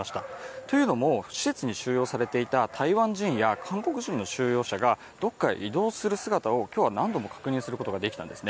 というのも施設に収容されていた台湾人や韓国人の収容者がどこかへ移動する姿を今日は何度も確認することができたんですね。